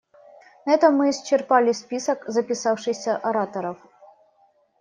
На этом мы исчерпали список записавшихся ораторов.